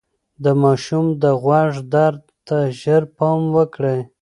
د ماشوم د غوږ درد ته ژر پام وکړئ.